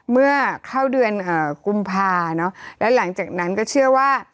เมื่อเข้าเดือนกุมภาแล้วหลังจากนั้นก็เชื่อว่า